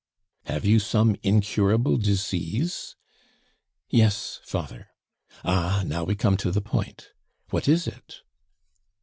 "Have you some incurable disease?" "Yes, father." "Ah! now we come to the point. What is it?"